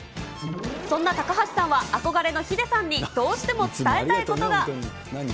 そんな高橋さんは、憧れのヒデさんにどうしても伝えたいことが。